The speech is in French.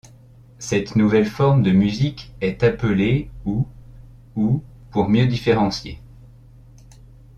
Cette nouvelle forme de musique est appelée ou ou pour mieux différencier.